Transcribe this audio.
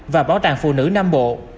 và bảo tàng phụ nữ nam bộ